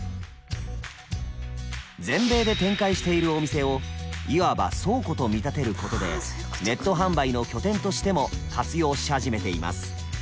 全米で展開しているお店をいわば倉庫と見立てることでネット販売の拠点としても活用し始めています。